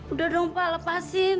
udah dong pak lepasin